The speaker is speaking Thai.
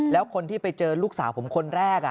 แล้วคนที่ไปเจอลูกสาวผมคนแรก